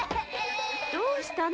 どうしたの？